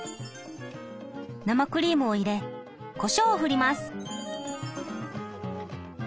生クリームを入れこしょうをふります。